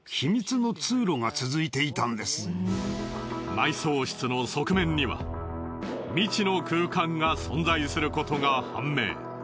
埋葬室の側面には未知の空間が存在することが判明。